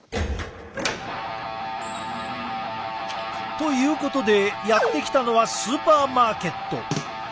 ということでやって来たのはスーパーマーケット。